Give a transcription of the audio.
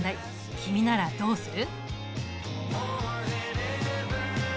君ならどうする？